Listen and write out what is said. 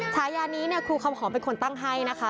ฉายานี้คือคำขอเป็นคนตั้งให้นะคะ